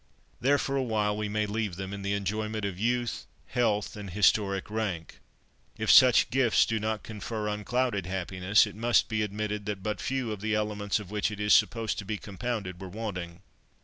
There for a while we may leave them, in the enjoyment of youth, health, and historic rank. If such gifts do not confer unclouded happiness, it must be admitted that but few of the elements of which it is supposed to be compounded were wanting.